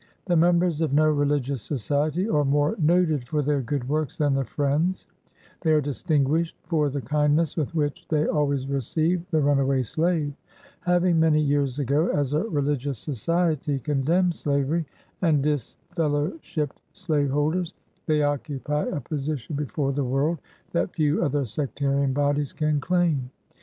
The members of no religious society are more noted for their good works than the Friends. They are distinguished for the kindness with which they always receive the runaway slave. Having, many years ago, as a religious society, condemned slavery, and disfellowshipped slaveholders, they occupy a posi tion before the world that few other sectarian bodies can claim.